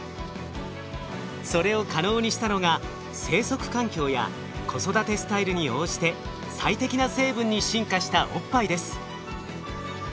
それを可能にしたのが生息環境や子育てスタイルに応じて最適な成分に進化したおっぱいです。